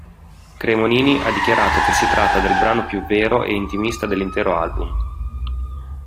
Cremonini ha dichiarato che si tratta del brano più "vero" ed intimista dell'intero album".